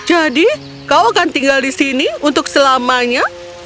jadi kau akan tinggal di sini untuk selamat